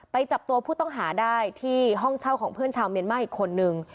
จับตัวผู้ต้องหาได้ที่ห้องเช่าของเพื่อนชาวเมียนมาอีกคนนึง